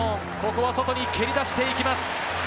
ここは外に蹴り出していきます。